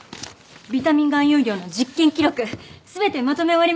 ビタミン含有量の実験記録全てまとめ終わりました！